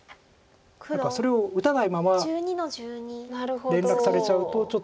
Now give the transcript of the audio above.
それを打たないまま連絡されちゃうとちょっと白は。